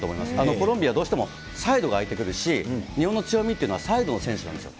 コロンビア、どうしてもサイドが空いてくるし、日本の強みっていうのはサイドの選手なんですよ。